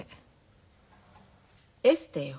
エステよ。